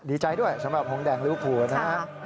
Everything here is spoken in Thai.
ดีใจด้วยสำหรับโทรงแดงรูปผู้นะครับ